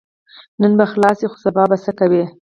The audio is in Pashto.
نن به خلاص شې خو سبا به څه کوې؟